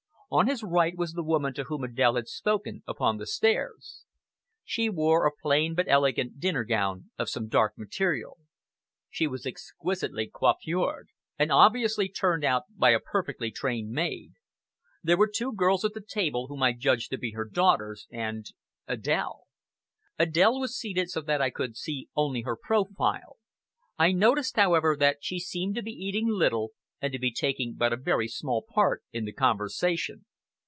On his right was the woman to whom Adèle had spoken upon the stairs. She wore a plain but elegant dinner gown of some dark material. She was exquisitely coiffured, and obviously turned out by a perfectly trained maid. There were two girls at the table, whom I judged to be her daughters, and Adèle. Adèle was seated so that I could see only her profile. I noticed, however, that she seemed to be eating little, and to be taking but a very small part in the conversation.